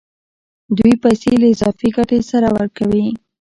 دوی پیسې له اضافي ګټې سره ورکوي